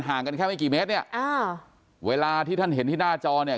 กันแค่ไม่กี่เมตรเนี่ยอ่าเวลาที่ท่านเห็นที่หน้าจอเนี่ย